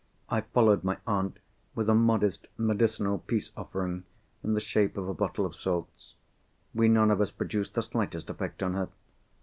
I followed my aunt with a modest medicinal peace offering, in the shape of a bottle of salts. We none of us produced the slightest effect on her.